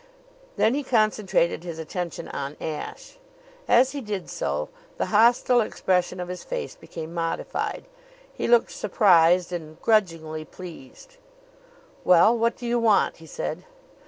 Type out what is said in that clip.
Then he concentrated his attention on Ashe. As he did so the hostile expression of his face became modified. He looked surprised and grudgingly pleased. "Well, what do you want?" he said.